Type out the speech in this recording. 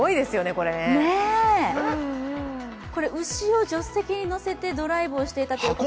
これ、牛を助手席に乗せてドライブしていたということで。